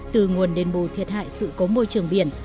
từ nguồn đền bù thiệt hại sự cố môi trường biển